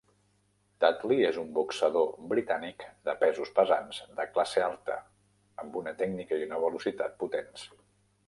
Dudley és un boxador britànic de pesos pesants de classe alta amb una tècnica i una velocitat potents.